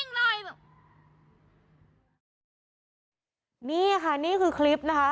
นี่ค่ะนี่คือคลิปนะคะ